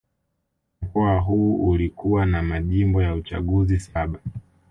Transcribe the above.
Mkoa huu ulikuwa na majimbo ya uchaguzi saba